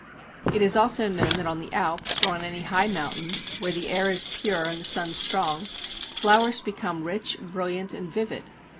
It is also known that on the Alps or on any high mountain, where the air is pure and the sun strong, flowers become rich, brilliant, and vivid.